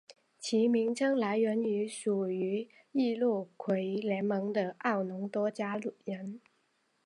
其名称来源于属于易洛魁联盟的奥农多加人。